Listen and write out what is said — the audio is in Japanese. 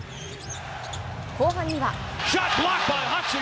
後半には。